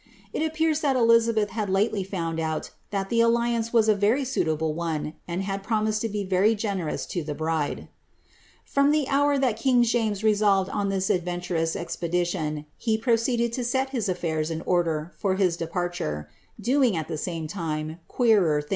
It appatn thai Elizabeth had lately found out thai the alliance was) a very auiablt one, uiid had promised to be very generous lo the bride.' Ftom the hour that kiug James resolved on this advcnlDroua exptfr tion, he proceeded to ac der for his depariure, doing, it the ihme lime, queerer ti.